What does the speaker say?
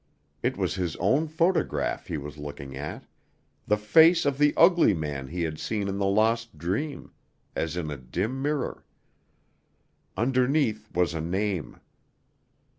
It was his own photograph he was looking at ... the face of the ugly man he had seen in the lost dream, as in a dim mirror. Underneath was a name.